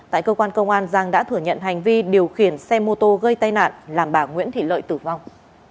tại cơ quan công an giang đã thừa nhận hành vi điều khiển xe mô tô gây tai nạn làm bà nguyễn thị lợi tử vong